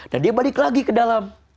dan dia balik lagi ke dalam